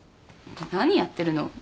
何やってるの？